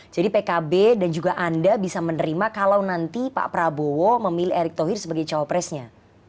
jadi pkb dan juga anda bisa menerima kalau nanti pak prabowo memilih erick thohir sebagai cowok presnya